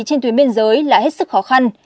trên tuyến biên giới là hết sức khó khăn